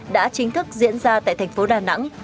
đã chính thức diễn ra tại thành phố đà nẵng